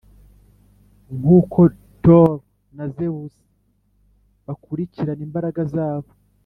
nkuko thor na zewus bakurikirana imbaraga zabo!